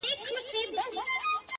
په اخبار! په مجله! په راډيو کي!